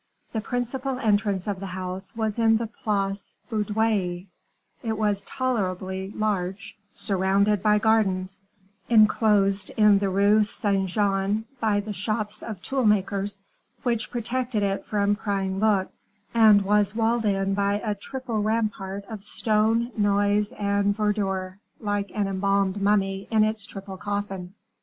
The principal entrance of the house was in the Place Baudoyer; it was tolerably large, surrounded by gardens, inclosed in the Rue Saint Jean by the shops of toolmakers, which protected it from prying looks, and was walled in by a triple rampart of stone, noise, and verdure, like an embalmed mummy in its triple coffin.